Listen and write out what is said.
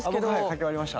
書き終わりました。